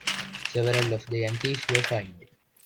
Several of the Yankees were fined.